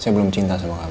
saya belum cinta sama kamu